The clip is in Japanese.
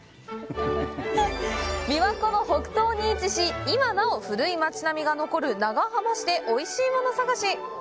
琵琶湖の北東に位置し、今なお古い町並みが残る長浜市でおいしいもの探し！